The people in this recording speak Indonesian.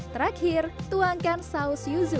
terakhir tuangkan saus yuzu